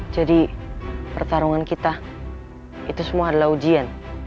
jadi pertarungan kita itu semua adalah ujian